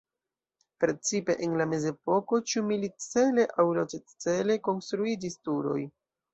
Precipe en la mezepoko ĉu milit-cele aŭ loĝej-cele konstruiĝis turoj.